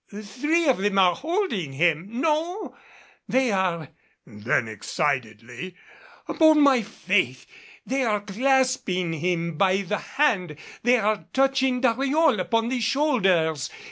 Three of them are holding him no they are," and then excitedly, "upon my faith they are clasping him by the hand they are touching Dariol upon the shoulders.